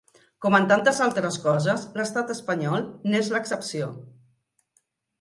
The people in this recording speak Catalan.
Com en tantes altres coses, l’estat espanyol n’és l’excepció.